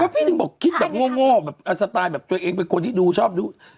พี่หนึ่งบอกคิดแบบโง่แบบสไตล์แบบตัวเองเป็นคนที่ดูชอบดู